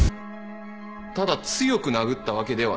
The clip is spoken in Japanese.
ただ強く殴ったわけではない。